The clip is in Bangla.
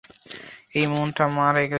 এই মানটা মা রেখেছে।